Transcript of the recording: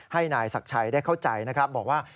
ให้นายศักดิ์ชัยได้เข้าใจนะครับบอกว่า